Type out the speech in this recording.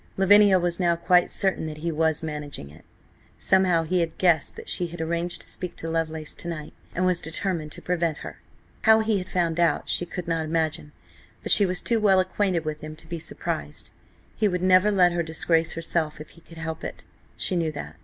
Lavinia was now quite certain that he was managing it. Somehow he had guessed that she had arranged to speak to Lovelace to night, and was determined to prevent her. How he had found out, she could not imagine, but she was too well acquainted with him to be surprised. He would never let her disgrace herself if he could help it–she knew that.